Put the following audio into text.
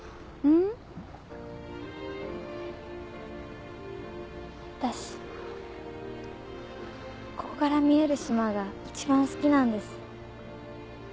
わたしここから見える島がいちばん好きなんです。